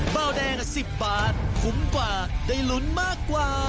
เบาแดง๑๐บาทคุ้มกว่าได้ลุ้นมากกว่า